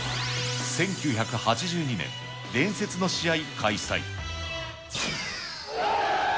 １９８２年、伝説の試合開催。